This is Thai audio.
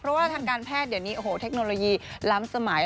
เพราะว่าทางการแพทย์เดี๋ยวนี้โอ้โหเทคโนโลยีล้ำสมัย